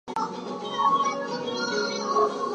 Ruhe in Frieden.